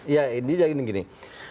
ya ini jadi begini